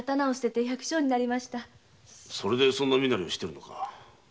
それでそんな身なりをしているのか。